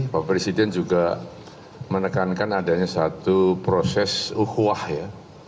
pak presiden juga menekankan adanya satu proses uhuah ya